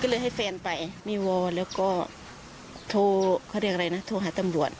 ก็เลยให้แฟนไปนี่วอนแล้วก็โทรเขาเรียกอะไรนะโทรหาตำรวจ